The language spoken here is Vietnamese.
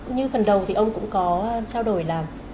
như phần đầu thì ông cũng có trao đổi làm